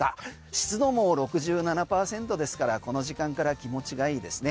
湿度も６７％ですからこの時間から気持ちがいいですね。